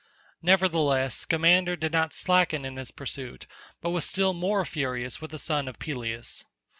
Nevertheless Scamander did not slacken in his pursuit, but was still more furious with the son of Peleus.